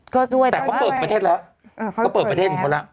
ก็ด้วยแต่เขาเปิดประเทศแล้วก็เปิดประเทศของเขาแล้ว